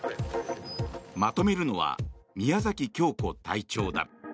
まとめるのは宮崎恭子隊長だ。